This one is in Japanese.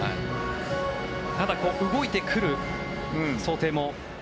ただ動いてくる想定も。